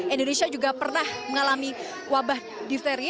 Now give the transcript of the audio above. indonesia juga pernah mengalami wabah difteri